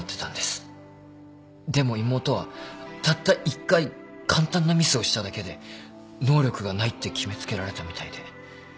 でも妹はたった１回簡単なミスをしただけで能力がないって決め付けられたみたいで。